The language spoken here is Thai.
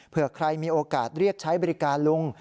เพื่อใครมีโอกาสเรียกใช้บริการลุง